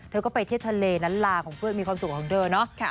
เธอก็ไปเที่ยวทะเลล้านลาของเพื่อนมีความสุขของเธอเนาะ